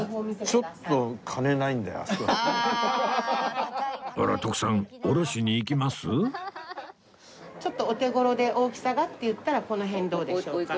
ちょっとお手頃で大きさがっていったらこの辺どうでしょうか？